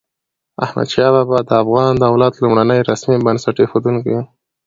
احمد شاه بابا د افغان دولت لومړنی رسمي بنسټ اېښودونکی و.